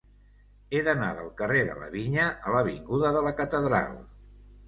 He d'anar del carrer de la Vinya a l'avinguda de la Catedral.